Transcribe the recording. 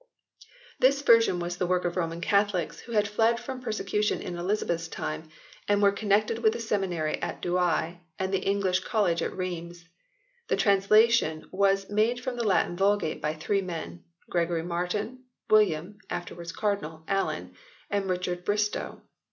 This version was the work of Roman Catholics who had fled from persecution in Elizabeth s time and were connected with the Seminary at Douai and the English College at Rheims. The translation was made from the Latin Vulgate by three men Gregory Martin, William (afterwards Cardinal) Allen and Richard Bristow.